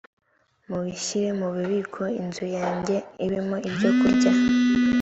mubishyire mu bubiko inzu yanjye ibemo ibyokurya